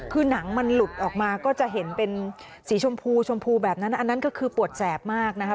คือหนังมันหลุดออกมาก็จะเห็นเป็นสีชมพูชมพูแบบนั้นอันนั้นก็คือปวดแสบมากนะครับ